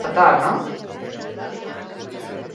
Bakarrik bere seme-alabak babesteko egin zuela, alegia.